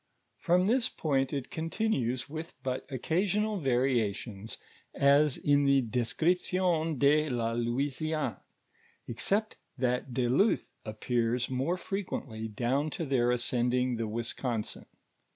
From this point, it continues with but occasional variations, ns in the De scription (/<■ la J.iiuiniiini; except thai de Luth appears more frequently down to their ascendinir the Wisconsin.